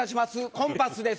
コンパスです。